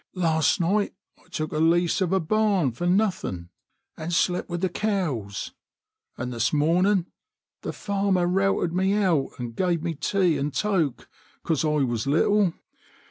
" Last night I took a lease of a barn for nothing and slept with the cows, and this morning the farmer routed me out and gave me tea and toke because I was little.